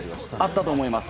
あったと思います。